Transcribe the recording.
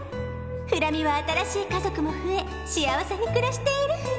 フラ美は新しい家族も増え幸せに暮らしているフラ」。